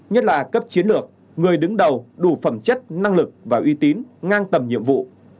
nhất là cấp chiến lược người đứng đầu đủ phẩm chất năng lực và uy tín ngang tầm nhiệm vụ